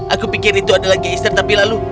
aku pikir itu adalah geser tapi lalu